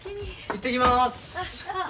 行ってきます。